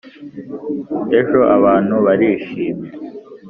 ejo abantu barishimye